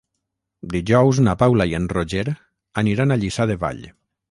Dijous na Paula i en Roger aniran a Lliçà de Vall.